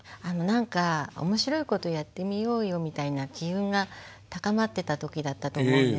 何か面白いことやってみようよみたいな機運が高まってた時だったと思うんですね。